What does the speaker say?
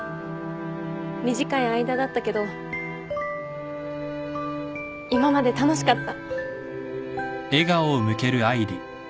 短い間だったけど今まで楽しかった。